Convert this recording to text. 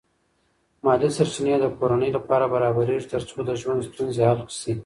مالی سرچینې د کورنۍ لپاره برابرېږي ترڅو د ژوند ستونزې حل شي.